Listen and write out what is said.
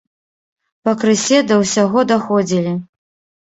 Пакрысе да ўсяго даходзілі.